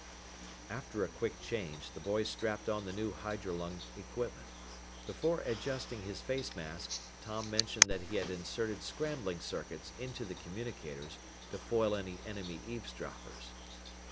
After a quick change, the boys strapped on the new hydrolung equipment. Before adjusting his face mask, Tom mentioned that he had inserted scrambling circuits into the communicators to foil any enemy eavesdroppers.